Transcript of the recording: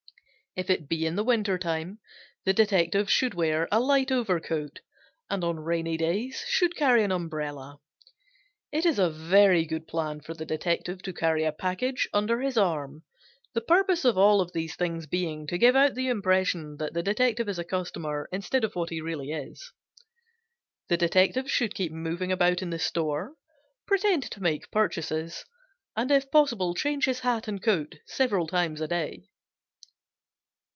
If it be in the winter time the detective should wear a light overcoat, and on rainy days should carry an umbrella. It is a very good plan for the detective to carry a package under his arm, the purpose of all these things being to give out the impression that the detective is a customer instead of what he really is. The detective should keep moving about in the store, pretend to make purchases, and if possible change his hat and coat several times a day.